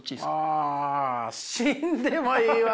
あ死んでもいいは。